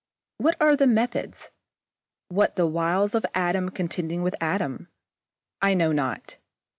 What are the methods, what the wiles of atom contending with atom? I know not.